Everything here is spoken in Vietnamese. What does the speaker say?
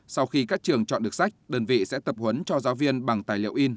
sau khi các trường chọn được sách đơn vị sẽ tập huấn cho giáo viên bằng tài liệu in